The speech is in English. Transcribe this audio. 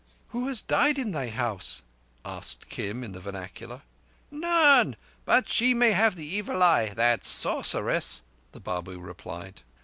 "Who has died in thy house?" asked Kim in the vernacular. "None. But she may have the Evil Eye—that sorceress," the Babu replied.